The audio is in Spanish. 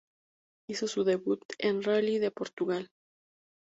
Hizo su debut en el Rally de Portugal.